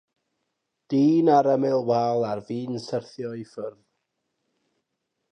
Dyn ar ymyl wal ar fin syrthio i ffwrdd.